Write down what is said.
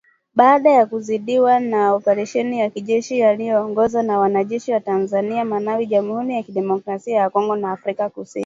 Baada ya kuzidiwa na oparesheni ya kijeshi yaliyoongozwa na wanajeshi wa Tanzania, Malawi, Jamhuri ya Kidemokrasia ya Kongo na Afrika kusini